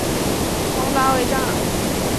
蒙达韦藏。